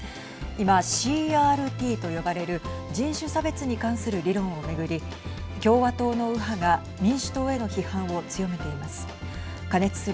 今、ＣＲＴと呼ばれる人種差別に関する理論を巡り共和党の右派が民主党への批判を強めています。